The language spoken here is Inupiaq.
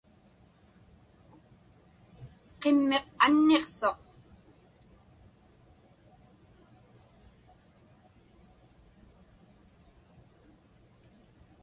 Qimmiq anniqsuq.